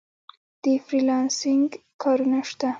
د فری لانسینګ کارونه شته؟